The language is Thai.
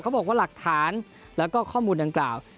บอกว่าหลักฐานแล้วก็ข้อมูลดังกล่าว